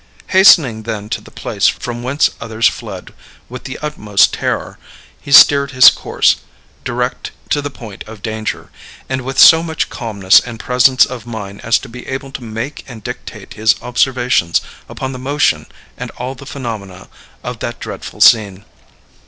Hastening then to the place from whence others fled with the utmost terror, he steered his course direct to the point of danger, and with so much calmness and presence of mind as to be able to make and dictate his observations upon the motion and all the phenomena of that dreadful scene.